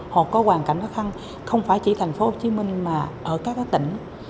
hoặc có hoàn cảnh khó khăn không phải chỉ thành phố hồ chí minh mà ở các tỉnh